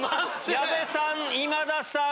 矢部さん今田さん